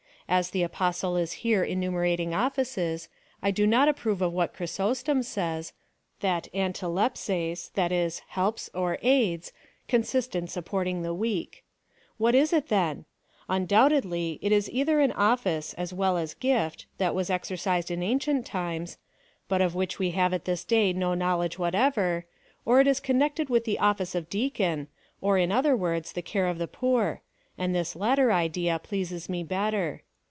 As the Apostle is here enumerating offices, I do not approve of what Chrysostom says, that avriX iqy^ei^, that is, helps or aids, consist in supporting the weak. What is it then ? Un doubtedly, it is either an office, as well as gift, that was exercised in ancient times, but of which we have at this day no knowledge whatever ; or it is connected with the office of Deacon, or in other words, the care of the poor ; and this latter idea pleases me better.